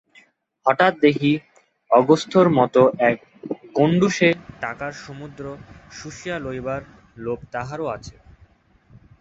হঠাৎ দেখি, অগস্ত্যের মতো এক গণ্ডূষে টাকার সমুদ্র শুষিয়া লইবার লোভ তারও আছে।